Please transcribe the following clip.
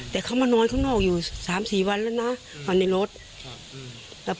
แต่เขามานอนข้างนอกอยู่สามสี่วันแล้วนะมาในรถครับ